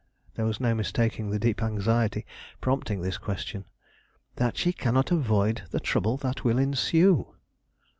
There was no mistaking the deep anxiety prompting this question. "That she cannot avoid the trouble that will ensue."